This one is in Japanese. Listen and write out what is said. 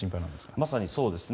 まさにそうですね。